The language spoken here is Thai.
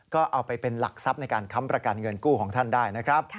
ก็เอาไปเป็นหลักทรัพย์ในการค้ำประกันเงินกู้ของท่านได้นะครับ